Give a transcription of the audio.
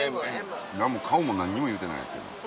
何も買うも何にも言うてないですけど。